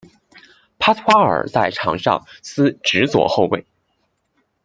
帕斯夸尔在场上司职左后卫。